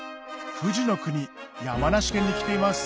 富士の国山梨県に来ています